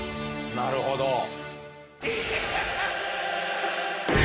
なるほど。